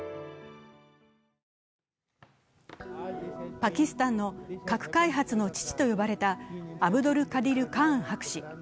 パキスタンの核開発の父と呼ばれたアブドル・カディル・カーン博士。